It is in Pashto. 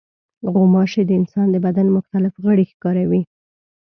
غوماشې د انسان د بدن مختلف غړي ښکاروي.